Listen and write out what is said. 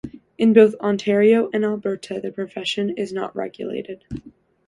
In both Ontario and Alberta, the profession is not regulated.